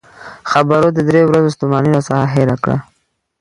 خبرو د درې ورځو ستومانۍ راڅخه هېره کړه.